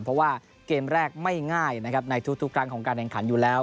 เพราะว่าเกมแรกไม่ง่ายนะครับในทุกครั้งของการแข่งขันอยู่แล้ว